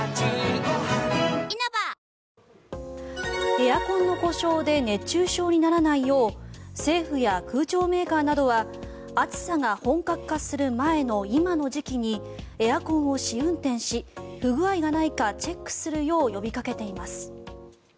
エアコンの故障で熱中症にならないよう政府や空調メーカーなどは暑さが本格化する前の今の時期にエアコンを試運転し不具合がないかチェックするよう呼びかけています。